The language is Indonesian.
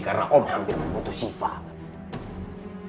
karena om hampir memutus sifat